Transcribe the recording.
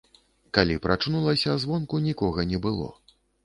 Калі прачнулася, звонку нікога не было.